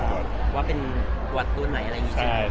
ว่าเป็นวัดตัวใหม่อะไรอยู่ที่นี่